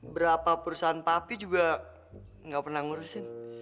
berapa perusahaan papi juga nggak pernah ngurusin